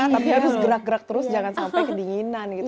tapi harus gerak gerak terus jangan sampai kedinginan gitu